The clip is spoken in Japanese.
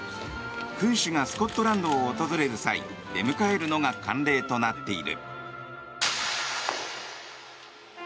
君主がスコットランドを訪れる際出迎えるのが慣例となっている。